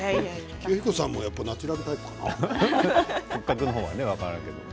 きよ彦さんもナチュラルタイプかな。